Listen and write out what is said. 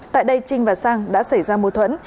tại đây trinh và sang đã xảy ra mâu thuẫn